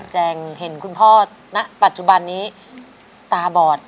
แจงเห็นคุณพ่อณปัจจุบันนี้ตาบอด